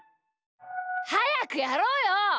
はやくやろうよ！